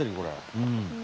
うん。